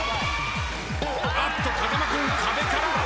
あっと風間君壁から。